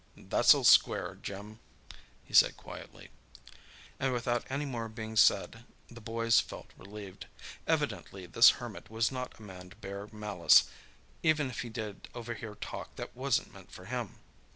"That's all square, Jim," he said quietly, and without any more being said the boys felt relieved. Evidently this Hermit was not a man to bear malice, even if he did overhear talk that wasn't meant for him.